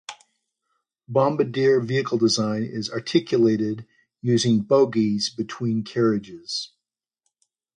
Bombardier vehicle design is articulated using bogies between carriages.